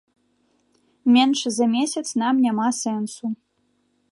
Менш за месяц нам няма сэнсу.